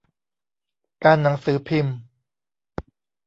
การหนังสือพิมพ์